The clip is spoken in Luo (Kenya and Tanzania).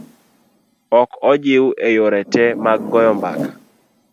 Ok ojiw e yore te mag goyo mbaka.